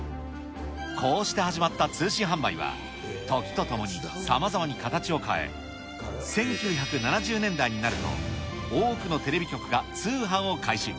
こうして始まった通信販売は、時とともにさまざまに形を変え、１９７０年代になると、多くのテレビ局が通販を開始。